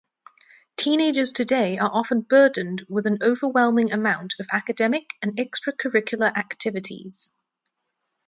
Teenagers today are often burdened with an overwhelming amount of academic and extracurricular activities.